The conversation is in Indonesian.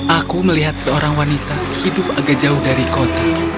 aku melihat seorang wanita hidup agak jauh dari kota